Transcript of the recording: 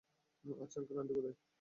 আচ্ছা, আংকেল-আন্টি কোথায়?